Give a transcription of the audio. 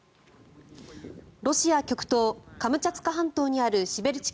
ロシア極東カムチャツカ半島にあるシベルチ